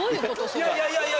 いやいやいやいや。